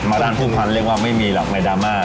มาร้านภูพันธ์เรียกว่าไม่มีหลักไหมดามา